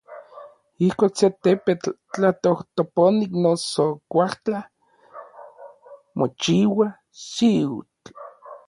Ijkuak se tepetl tlatojtoponi noso kuaujtla mochiua xiutl.